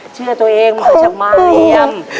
เชื่อตัวเองมาจากมาเรียม